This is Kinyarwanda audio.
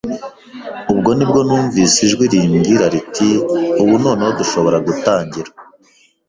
Ubwo ni bwo numvise ijwi rimbwira riti "Ubu noneho dushobora gutangira!